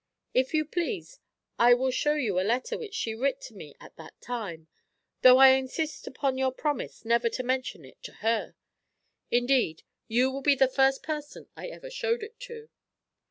If you please, I will shew you a letter which she writ to me at that time, though I insist upon your promise never to mention it to her; indeed, you will be the first person I ever shewed it to."